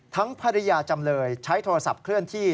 ภรรยาจำเลยใช้โทรศัพท์เคลื่อนที่